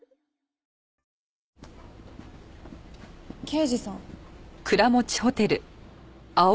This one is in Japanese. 刑事さん。